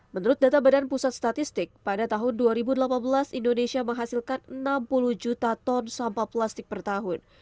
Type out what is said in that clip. menurut data badan pusat statistik pada tahun dua ribu delapan belas indonesia menghasilkan enam puluh juta ton sampah plastik per tahun